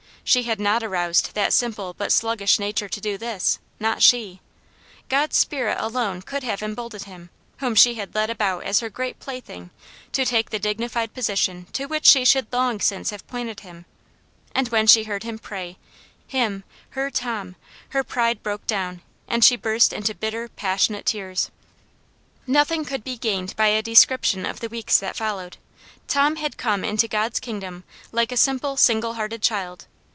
She had not aroused that simple but sluggish nature to do this, not she ! God's Spirit alone could have emboldened him, whom she had led about as her great plaything, to take the dignified position to which she should long since have pointed him. And when she heard him pray — him, her Tom — her pride broke down, and she burst into bitter, passionate tears. Nothing could be gained by a description of the weeks that followed. Tom had come into God's kingdom like a simple, single hearted child.